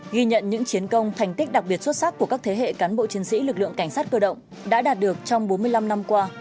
ghi nhận những chiến công thành tích đặc biệt xuất sắc của các thế hệ cán bộ chiến sĩ lực lượng cảnh sát cơ động đã đạt được trong bốn mươi năm năm qua